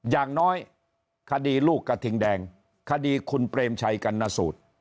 อย่างน้อยคดีลูกกระทิงแดงคดีคุณเปรมชัยกรรณสูตร